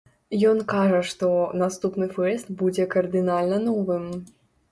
Ён кажа што, наступны фэст будзе кардынальна новым.